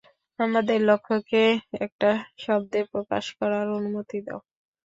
আমাদের লক্ষ্যকে একটা শব্দে প্রকাশ করার অনুমতি দাও!